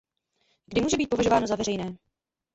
Kdy může být považováno za veřejné?